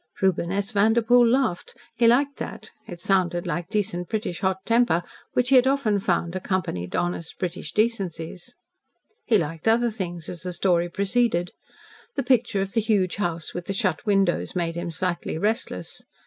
Reuben S. Vanderpoel laughed. He liked that. It sounded like decent British hot temper, which he had often found accompanied honest British decencies. He liked other things, as the story proceeded. The picture of the huge house with the shut windows, made him slightly restless.